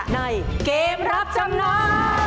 ในเกมรับจำนำ